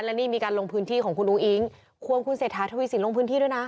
และนี่มีการลงพื้นที่ของคุณอุ้งควรคุณเศรษฐาทวีสินลงพื้นที่ด้วยนะ